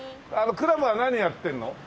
クラブは何やってるの？